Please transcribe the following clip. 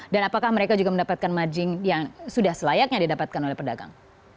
dan apakah mereka juga mendapatkan margin yang sudah selayaknya didapatkan oleh pedagang